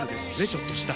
ちょっとした。